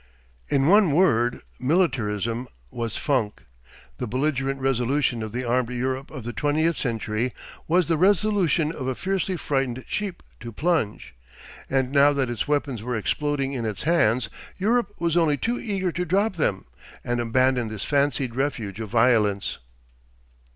In one word, militarism was funk. The belligerent resolution of the armed Europe of the twentieth century was the resolution of a fiercely frightened sheep to plunge. And now that its weapons were exploding in its hands, Europe was only too eager to drop them, and abandon this fancied refuge of violence.